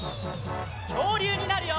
きょうりゅうになるよ！